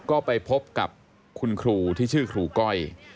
ก็ไปพบกับคุณครูที่ชื่อครูก้อย